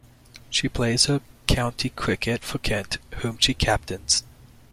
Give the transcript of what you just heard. She plays her county cricket for Kent, whom she captains.